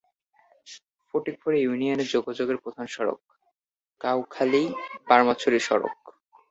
ফটিকছড়ি ইউনিয়নে যোগাযোগের প্রধান সড়ক কাউখালী-বার্মাছড়ি সড়ক।